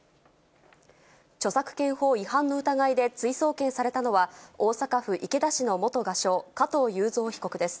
著作権法違反の疑いで追送検されたのは、大阪府池田市の元画商、加藤雄三被告です。